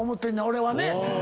俺はね。